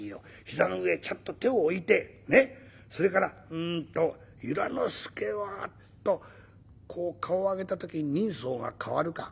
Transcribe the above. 膝の上へちゃんと手を置いてそれからうんと『由良之助は』とこう顔を上げた時に人相が変わるか。